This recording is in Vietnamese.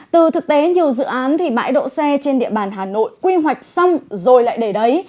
từ thực tế nhiều dự án thì bãi đỗ xe trên địa bàn hà nội quy hoạch xong rồi lại để đấy